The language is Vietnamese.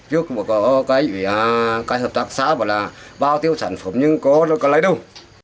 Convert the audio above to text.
trước có cái hợp tác xã bảo là bao tiêu sản phẩm nhưng không có lấy đâu